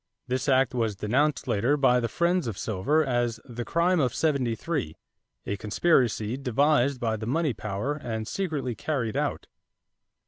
This act was denounced later by the friends of silver as "the crime of '73," a conspiracy devised by the money power and secretly carried out.